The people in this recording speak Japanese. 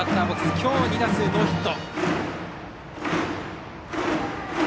きょう２打数ノーヒット。